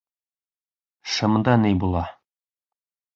- Шымда ни була?